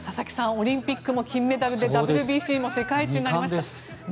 オリンピックも金メダルでＷＢＣも世界一になりました。